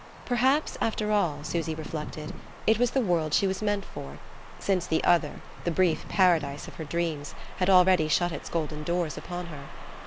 Perhaps, after all, Susy reflected, it was the world she was meant for, since the other, the brief Paradise of her dreams, had already shut its golden doors upon her.